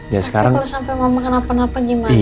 tapi kalau sampai mama kenapa gimana